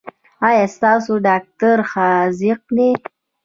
ایا ستاسو ډاکټر حاذق دی؟